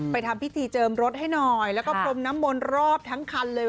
ทำพิธีเจิมรถให้หน่อยแล้วก็พรมน้ำมนต์รอบทั้งคันเลย